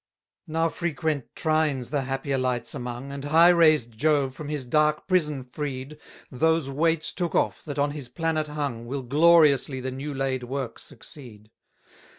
292 Now frequent trines the happier lights among, And high raised Jove, from his dark prison freed, Those weights took off that on his planet hung, Will gloriously the new laid work succeed.